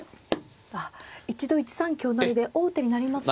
あっ一度１三香成で王手になりますが。